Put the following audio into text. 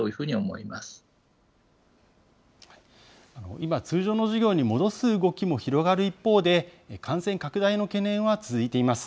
今、通常の授業に戻す動きも広がる一方で、感染拡大の懸念は続いています。